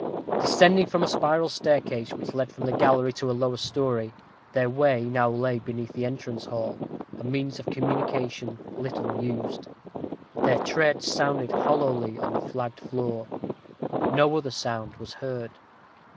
Descending a spiral staircase, which led from the gallery to a lower story, their way now lay beneath the entrance hall, a means of communication little used. Their tread sounded hollowly on the flagged floor; no other sound was heard.